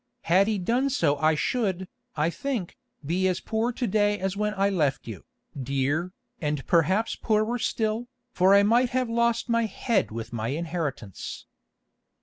Had he done so I should, I think, be as poor to day as when I left you, dear, and perhaps poorer still, for I might have lost my head with my inheritance.